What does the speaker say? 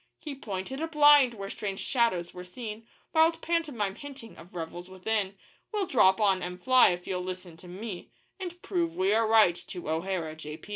He pointed a blind where strange shadows were seen Wild pantomime hinting of revels within 'We'll drop on M'Fly, if you'll listen to me, And prove we are right to O'Hara, J.